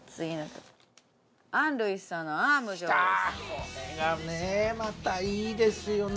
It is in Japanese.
これがねまたいいですよね